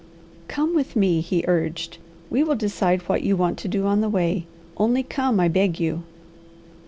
"Come with me!" he urged. "We will decide what you want to do on the way. Only come, I beg you."